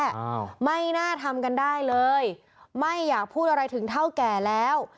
อ้าวไม่น่าทำกันได้เลยไม่อยากพูดอะไรถึงเท่าแก่แล้ว